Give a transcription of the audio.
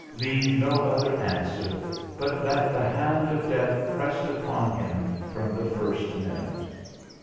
leave no other answer, but that the hand of death pressed upon him from the first minute?